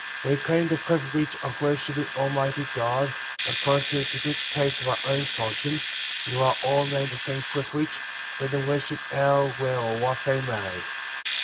11. We claim the privilege of worshiping Al mighty God according to the dictates of our own conscience, and allow all men the same privilege, let them worship how, where, or what they may.